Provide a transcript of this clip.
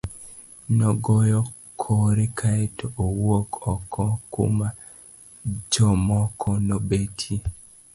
Nogoyo kore kae to owuok oko kuma jomoko nobetie.